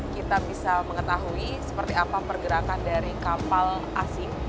kita bisa mengetahui seperti apa pergerakan dari kapal asing